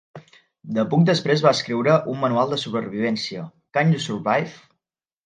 DePugh després va escriure un manual de supervivència, Can You Survive?